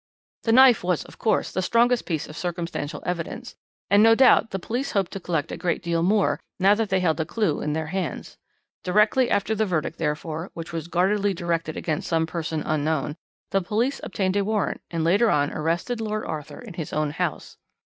"The knife was, of course, the strongest piece of circumstantial evidence, and no doubt the police hoped to collect a great deal more now that they held a clue in their hands. Directly after the verdict, therefore, which was guardedly directed against some person unknown, the police obtained a warrant and later on arrested Lord Arthur in his own house."